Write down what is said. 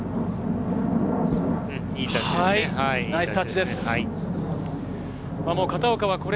いいタッチですね。